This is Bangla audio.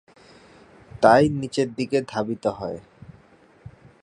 তাই নিচের দিকে ধাবিত হয়।